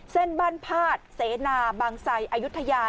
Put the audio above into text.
เส้นบ้านภาตเสนาบางทรายอยุธยา